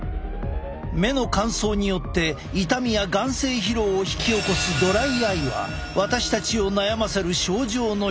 目の乾燥によって痛みや眼精疲労を引き起こすドライアイは私たちを悩ませる症状の一つ。